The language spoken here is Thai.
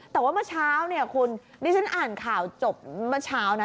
แต่ว่าเมื่อเช้าเนี่ยคุณดิฉันอ่านข่าวจบเมื่อเช้านะ